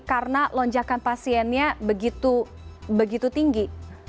karena lonjakan pasiennya begitu tinggi